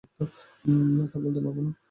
তা বলতে পারব না!